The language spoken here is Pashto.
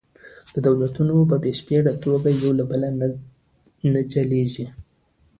دولتونه په بشپړه توګه یو له بل نه جلیږي